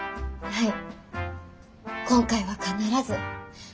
はい。